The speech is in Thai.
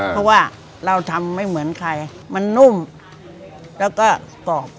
เพราะว่าเราทำไม่เหมือนใครมันนุ่มแล้วก็กรอบ